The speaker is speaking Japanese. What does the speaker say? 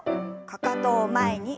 かかとを前に。